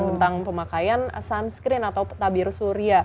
tentang pemakaian sunscreen atau tabir surya